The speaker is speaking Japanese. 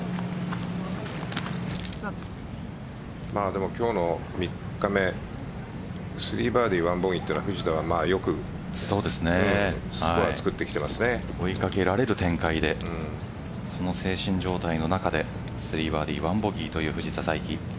でも、今日の３日目３バーディー、１ボギーは藤田はよく追いかけられる展開でその精神状態の中で３バーディー１ボギーという藤田さいき。